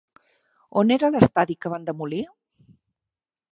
On era l'estadi que van demolir?